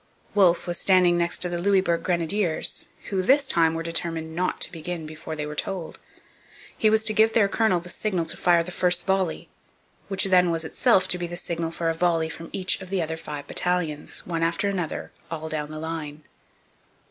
Wolfe was standing next to the Louisbourg Grenadiers, who, this time, were determined not to begin before they were told. He was to give their colonel the signal to fire the first volley; which then was itself to be the signal for a volley from each of the other five battalions, one after another, all down the line.